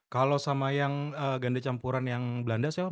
kalau sama yang ganda campuran yang belanda itu apa